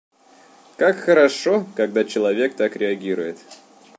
Как хорошо, когда человек так реагирует.